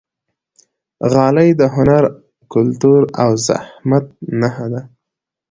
غالۍ د هنر، کلتور او زحمت نښه ده.